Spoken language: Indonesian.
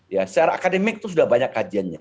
ya secara akademik itu sudah banyak kajiannya